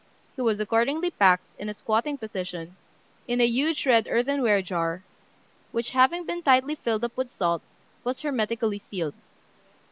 He was accordingly packed, in a squatting position, in a huge red earthenware jar, which, having been tightly filled up with. salt, was hermetically sealed.